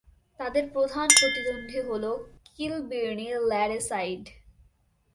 তাদের প্রধান প্রতিদ্বন্দ্বী হল কিলবির্নি ল্যাডেসাইড।